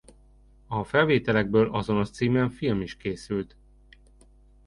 A felvételekből azonos címen film is készült.